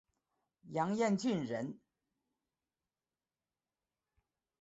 杨延俊人。